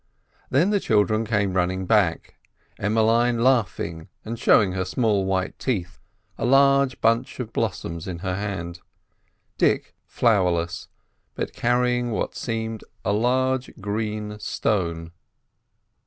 Then the children came running back, Emmeline laughing and showing her small white teeth, a large bunch of blossoms in her hand; Dick flowerless, but carrying what seemed a large green stone.